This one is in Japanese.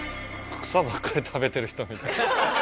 草ばっかり食べてる人みたい。